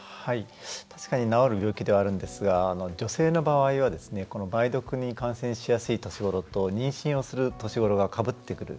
確かに治る病気ではあるんですが、女性の場合は梅毒に感染しやすい年頃と妊娠をする年頃がかぶってくる。